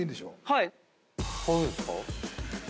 はい。